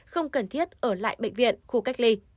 không cần thiết ở lại bệnh viện khu cách ly